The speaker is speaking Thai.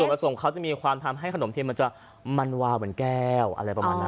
ผสมเขาจะมีความทำให้ขนมเทียมมันจะมันวาวเหมือนแก้วอะไรประมาณนั้น